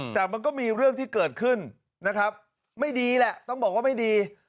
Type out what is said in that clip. แต่มันก็มีเรื่องที่เกิดขึ้นนะครับไม่ดีแหละต้องบอกว่าไม่ดี